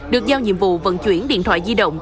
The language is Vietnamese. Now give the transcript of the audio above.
được giao nhiệm vụ vận chuyển điện thoại di động